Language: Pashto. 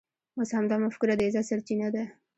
اوس همدا مفکوره د عزت سرچینه ده.